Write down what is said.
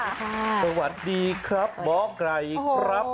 สวัสดีครับหมอไก่ครับ